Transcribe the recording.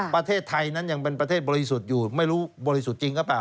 ประเทศไทยนั้นยังเป็นประเทศบริสุทธิ์อยู่ไม่รู้บริสุทธิ์จริงหรือเปล่า